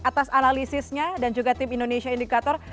atas analisisnya dan juga tim indonesia indikator